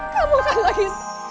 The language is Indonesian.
kamu akan lagi